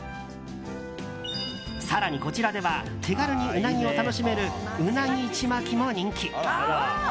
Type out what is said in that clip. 更に、こちらでは手軽にウナギを楽しめるうなぎちまきも人気。